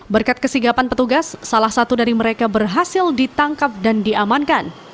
berkat kesigapan petugas salah satu dari mereka berhasil ditangkap dan diamankan